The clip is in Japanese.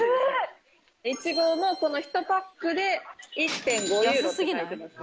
イチゴもこの１パックで１．５ユーロって書いてますね。